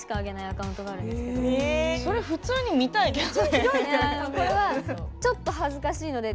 それ普通に見たいけど。